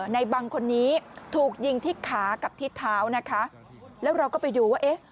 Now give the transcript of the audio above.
ในบังคนนี้ถูกยิงที่ขากับทิศเท้านะคะแล้วเราก็ไปดูว่าเอ๊ะ